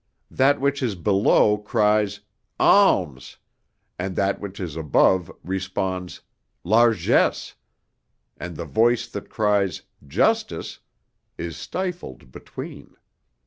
That which is below cries, 'Alms!' and that which is above responds, 'Largesse,' and the voice that cries, 'Justice,' is stifled between.